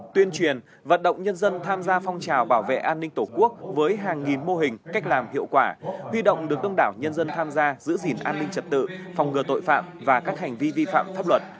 tuyên truyền vận động nhân dân tham gia phong trào bảo vệ an ninh tổ quốc với hàng nghìn mô hình cách làm hiệu quả huy động được đông đảo nhân dân tham gia giữ gìn an ninh trật tự phòng ngừa tội phạm và các hành vi vi phạm pháp luật